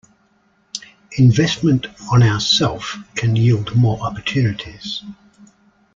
Investment on our self can yield more opportunities.